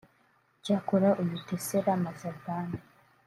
Icyakora uyu Thesela Maseribane